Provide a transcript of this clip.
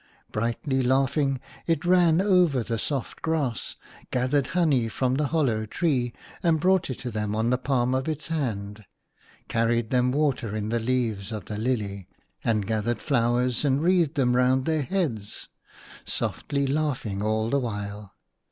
Brightly laughing, it ran over the soft grass ; gathered honey from the hollow tree, and brought it them on the palm of its hand ; carried them water in the leaves of the lily, and gathered flowers and wreathed them round their heads, softly laughing all the while.